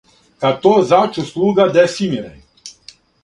Кад то зачу слуга Десимире,